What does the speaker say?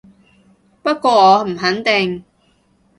不過我唔肯定